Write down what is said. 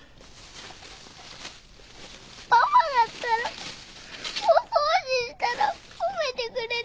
パパだったらお掃除したら褒めてくれるよ。